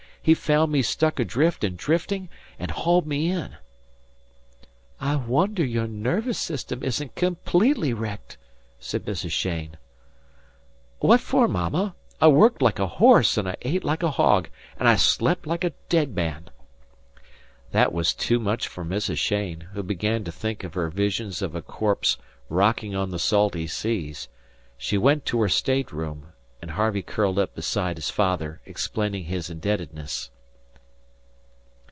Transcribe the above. He found me struck adrift and drifting, and hauled me in." "I wonder your nervous system isn't completely wrecked," said Mrs. Cheyne. "What for, Mama? I worked like a horse and I ate like a hog and I slept like a dead man." That was too much for Mrs. Cheyne, who began to think of her visions of a corpse rocking on the salty seas. She went to her stateroom, and Harvey curled up beside his father, explaining his indebtedness.